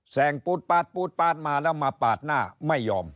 งปูดปาดปูดปาดมาแล้วมาปาดหน้าไม่ยอม